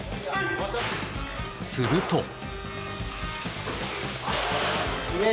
すると。